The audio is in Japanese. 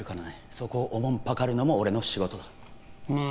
そこをおもんぱかるのも俺の仕事だまあ